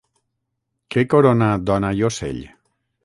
Què corona Dona i ocell?